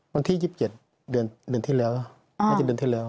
วันที่๒๗เดือนที่แล้ว